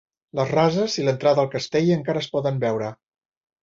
Les rases i l'entrada al castell encara es poden veure.